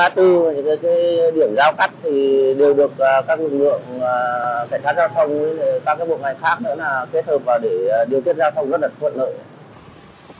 rất là thuận lợi